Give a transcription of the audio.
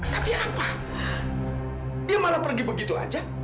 tapi apa dia malah pergi begitu aja